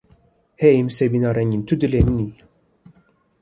Hey Nisêbîna rengîn tu dilê min î.